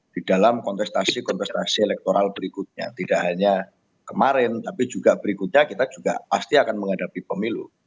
di dalam kontestasi kontestasi elektoral berikutnya tidak hanya kemarin tapi juga berikutnya kita juga pasti akan menghadapi pemilu